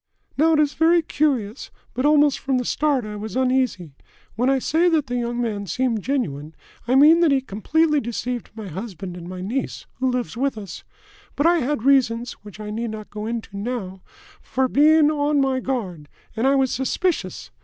"Now, it is very curious, but almost from the start I was uneasy. When I say that the young man seemed genuine, I mean that he completely deceived my husband and my niece, who lives with us. But I had reasons, which I need not go into now, for being on my guard, and I was suspicious.